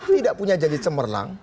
tidak punya janji cemerlang